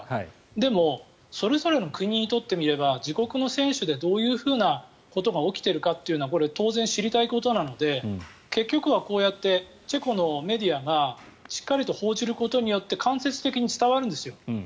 でもそれぞれの国にとってみれば自国の選手でどういうことが起きているかってこれ、当然知りたいことなので結局はこうやってチェコのメディアがしっかりと報じることによって間接的に伝わるんですよ。